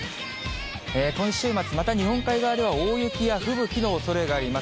今週末、また日本海側では大雪や吹雪のおそれがあります。